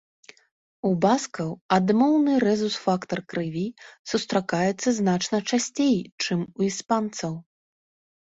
У баскаў адмоўны рэзус-фактар крыві сустракаецца значна часцей, чым у іспанцаў.